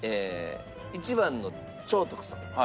１番の兆徳さん。